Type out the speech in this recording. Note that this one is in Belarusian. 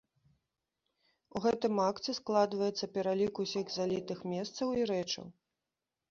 У гэтым акце складваецца пералік усіх залітых месцаў і рэчаў.